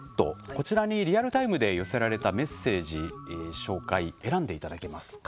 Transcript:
こちらにリアルタイムで寄せられたメッセージ選んでいただけますか。